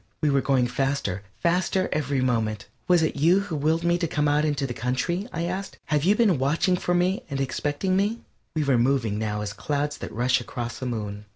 We were going faster, faster every moment. "Was it you who willed me to come out into the country?" I asked. "Have you been watching for me and expecting me?" We were moving now as clouds that rush across a moon.